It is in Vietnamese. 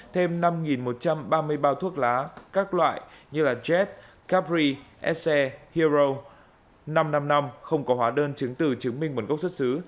thêm năm một trăm ba mươi bao thuốc lá các loại như jet capri sc hero năm trăm năm mươi năm không có hóa đơn chứng từ chứng minh nguồn gốc xuất xứ